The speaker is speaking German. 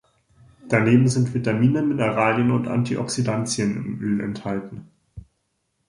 Daneben sind Vitamine, Mineralien und Antioxidantien im Öl enthalten.